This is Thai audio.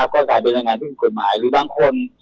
ก็จะเป็นรายงานปฏิสิทธิ์ผลหมายหรือบางคน